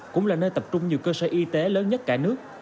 cũng là nơi tập trung nhiều cơ sở y tế lớn nhất cả nước